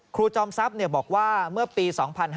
ครูจอมซับบอกว่าเมื่อปี๒๕๕๗